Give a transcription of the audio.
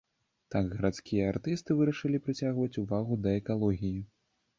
Так гарадскія артысты вырашылі прыцягнуць увагу да экалогіі.